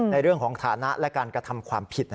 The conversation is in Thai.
ในเรื่องของฐานะและการกระทำความผิด